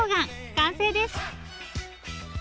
完成です。